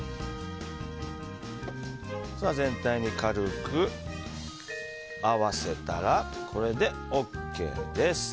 全体に軽く合わせたらこれでＯＫです。